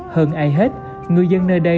hơn ai hết ngư dân nơi đây